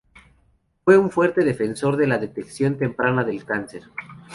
Fue un fuerte defensora de la detección temprana del cáncer.